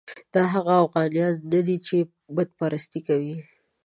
دا هغه اوغانیان نه دي چې بت پرستي کوي.